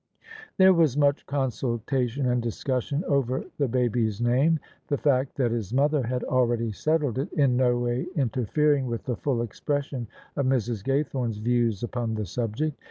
There was much consultation and discussion over the baby's name, the fact that his mother had already settled it in no way interfering with the full expression of Mrs. Gay thome's views upon the subject.